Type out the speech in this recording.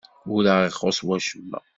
Ur aɣ-ixuṣṣ wacemma?